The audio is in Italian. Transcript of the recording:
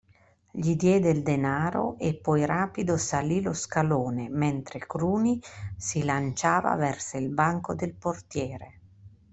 Gli diede il denaro e poi rapido salì lo scalone, mentre Cruni si lanciava verso il banco del portiere.